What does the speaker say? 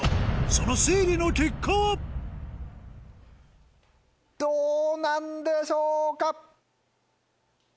その推理の結果はどうなんでしょうか？